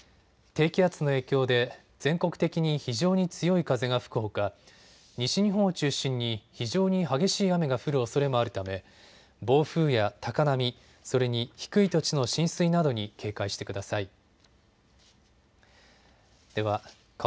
低気圧の影響で全国的に非常に強い風が吹くほか西日本を中心に非常に激しい雨が降るおそれもあるため暴風や高波、それに低い土地の浸水などに警戒してください。